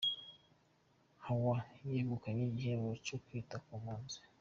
Hawa yegukanye igihembo cyo kwita ku mpunzi